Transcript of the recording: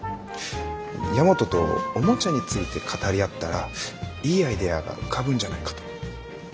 大和とおもちゃについて語り合ったらいいアイデアが浮かぶんじゃないかと。